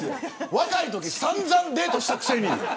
若いとき散々デートしたくせに。